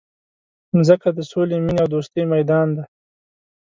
مځکه د سولي، مینې او دوستۍ میدان دی.